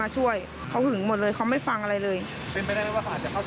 อาจจะเป็นแฟนใหม่ของไฟล์ค่ะ